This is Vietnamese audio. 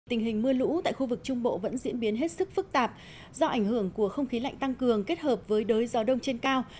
tình hình mưa lũ tại khu vực trung bộ vẫn diễn biến hết sức phức tạp do ảnh hưởng của không khí lạnh tăng cường kết hợp với đới gió đông trên cao